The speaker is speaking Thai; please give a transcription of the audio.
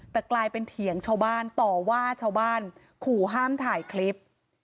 แต่กลายเป็นเถียงชาวบ้านต่อว่าชาวบ้านขู่ห้ามถ่ายคลิป